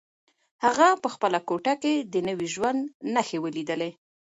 هغه په خپله کوټه کې د نوي ژوند نښې ولیدلې.